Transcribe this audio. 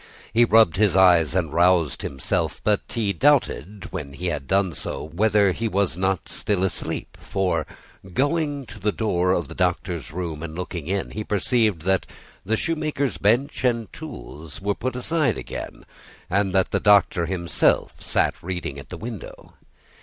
He rubbed his eyes and roused himself; but he doubted, when he had done so, whether he was not still asleep. For, going to the door of the Doctor's room and looking in, he perceived that the shoemaker's bench and tools were put aside again, and that the Doctor himself sat reading at the window.